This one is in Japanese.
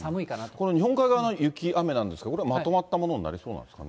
この日本海側の雪、雨なんですけど、これは、まとまったものになりそうなんですかね？